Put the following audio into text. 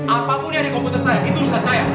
apapun yang ada di komputer saya itu urusan saya